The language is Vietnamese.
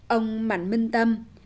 ông mạnh minh tâm